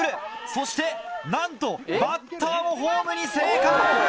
そしてなんとバッターもホームに生還！